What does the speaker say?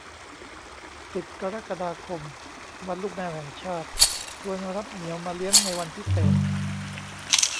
สิบ กรกฎาคม วันลูกแมวแห่งชาติ ชวนรับเหมียวมาเลี้ยงในวันพิเศษ